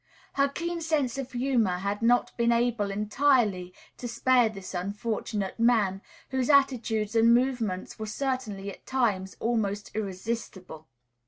Her keen sense of humor had not been able entirely to spare this unfortunate man, whose attitudes and movements were certainly at times almost irresistible.